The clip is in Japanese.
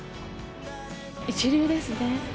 一流ですね。